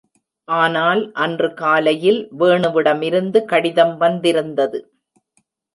ஆனால், அன்று காலையில் வேணுவிடமிருந்து கடிதம் வந்திருந்தது.